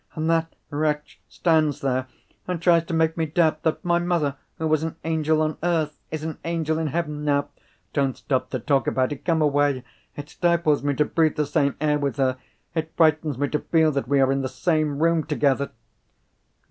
And that wretch stands there, and tries to make me doubt that my mother, who was an angel on earth, is an angel in heaven now! Don't stop to talk about it! Come away! It stifles me to breathe the same air with her! It frightens me to feel that we are in the same room together!"